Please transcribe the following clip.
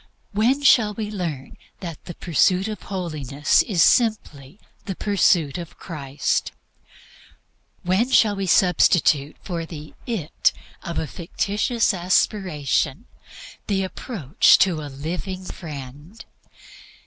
When shall we learn that the pursuit of holiness is simply THE PURSUIT OF CHRIST? When shall we substitute for the "it" of a fictitious aspiration, the approach to a Living Friend?